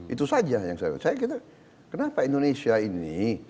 itu saja yang saya kira kenapa indonesia ini